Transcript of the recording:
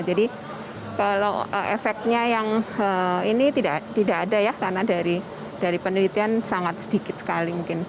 jadi kalau efeknya yang ini tidak ada ya karena dari penelitian sangat sedikit sekali mungkin